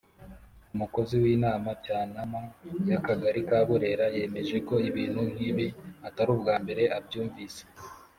umukozi winama cyanama ya kagari ka burera yemeje ko ibintu nkibi atarubwambere abyumvise.